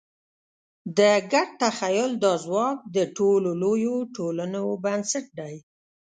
د ګډ تخیل دا ځواک د ټولو لویو ټولنو بنسټ دی.